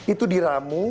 itu di ramu